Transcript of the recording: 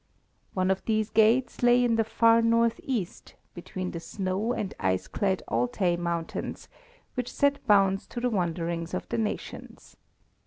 One of these gates lay in the far north east, between the snow and ice clad Altai mountains, which set bounds to the wanderings of the nations.